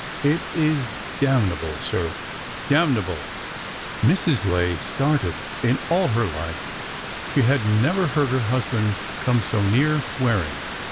It is damnable, sir,— damnable !" Mrs. Lay started. In all her life she had never heard her husband come so near swearing.